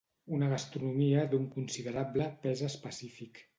una gastronomia d'un considerable pes específic